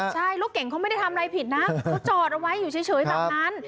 ใช่รถเก่งเขาไม่ได้ทำอะไรผิดนะเขาจอดเอาไว้อยู่เฉยแบบนั้น